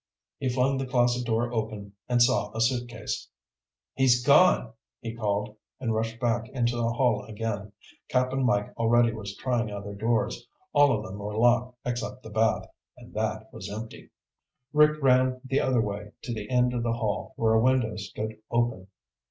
He flung the closet door open and saw a suitcase. "He's gone," he called, and rushed back into the hall again. Cap'n Mike already was trying other doors. All of them were locked except the bath, and that was empty. Rick ran the other way, to the end of the hall where a window stood open.